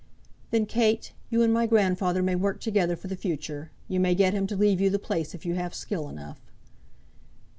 "Then, Kate, you and my grandfather may work together for the future. You may get him to leave you the place if you have skill enough."